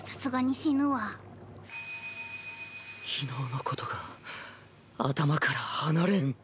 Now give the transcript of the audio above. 昨日のことが頭から離れん。